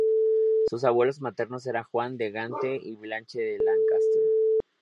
Sus abuelos maternos eran Juan de Gante y Blanche de Lancaster.